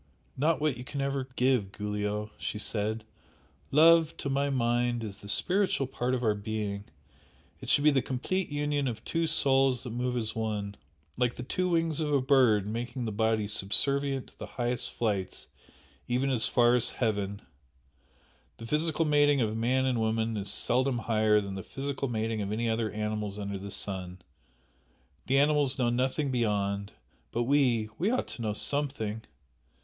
"Not what you can ever give, Giulio!" she said "Love to my mind is the spiritual part of our being it should be the complete union of two souls that move as one, like the two wings of a bird making the body subservient to the highest flights, even as far as heaven! The physical mating of man and woman is seldom higher than the physical mating of any other animals under the sun, the animals know nothing beyond but we we ought to know something!"